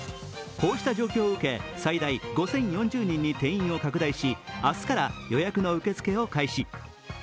こうした状況を受け、最大５０４０人に定員を拡大し明日から予約の受け付けを開始。